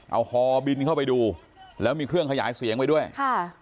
เอาฮอบินเข้าไปดูแล้วมีเครื่องขยายเสียงไปด้วยค่ะ